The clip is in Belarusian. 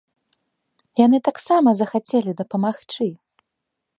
Яны таксама захацелі дапамагчы!